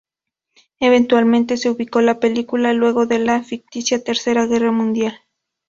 Eventualmente se ubicó la película luego de la ficticia Tercera Guerra Mundial.